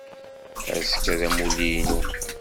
Azekka d amulli-inu.